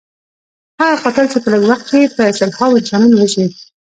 هغه قاتل چې په لږ وخت کې په سلهاوو انسانان وژني.